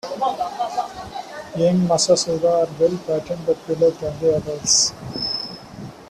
Young massasauga are well-patterned but paler than the adults.